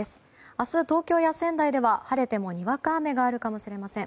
明日、東京や仙台では晴れてもにわか雨があるかもしれません。